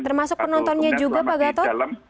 termasuk penontonnya juga pak gatot